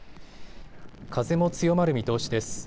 風も強まる見通しです。